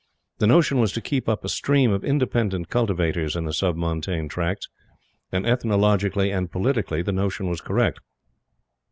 The notion was to keep up a stream of independent cultivators in the Sub Montane Tracts; and ethnologically and politically the notion was correct.